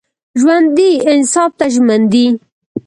ژوندي انصاف ته ژمن دي